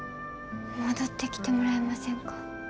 戻ってきてもらえませんか？